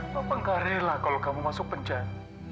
bapak gak rela kalau kamu masuk penjara